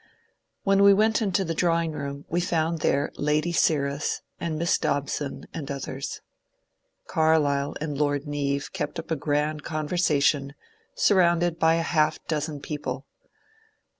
When we went into the drawing room, we found there Lady Sirras and Miss Dobson and others. Carlyle and Lord Neave kept up a g^nd conversation, surrounded by a half dozen people.